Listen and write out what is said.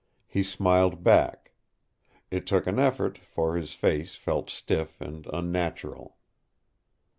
He smiled back. It took an effort, for his face felt stiff and unnatural.